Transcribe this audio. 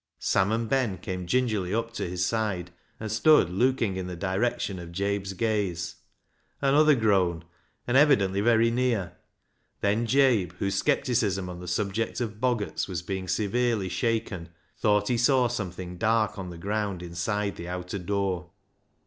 Sam and Ben came gingerly up to his side, and stood looking in the direction of Jabe's gaze. Another groan ! and evidently very near. Then Jabe, whose scepticism on the subject of boggarts was being severely shaken, thought he saw something dark on the ground inside the outer door.